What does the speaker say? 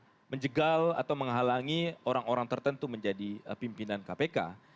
untuk menjegal atau menghalangi orang orang tertentu menjadi pimpinan kpk